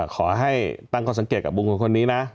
ขอให้ตั้งข้อสังเกตกับบุคคลคนนี้นะ